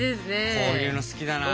こういうの好きだなあ。